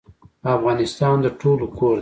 افغانستان د ټولو کور دی